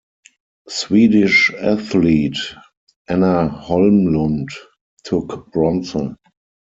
Swedish athlete Anna Holmlund took bronze.